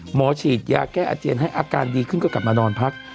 หมอฉีดยาแก้อาเจียนให้อาการดีขึ้นก็กลับมานอนพัก